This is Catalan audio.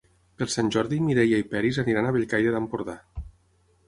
Per Sant Jordi na Mireia i en Peris aniran a Bellcaire d'Empordà.